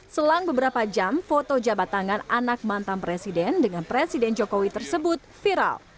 selang beberapa jam foto jabat tangan anak mantan presiden dengan presiden jokowi tersebut viral